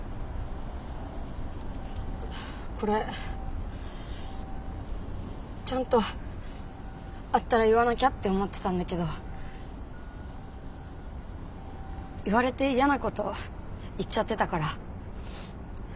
これちゃんと会ったら言わなきゃって思ってたんだけど言われてやなこと言っちゃってたから。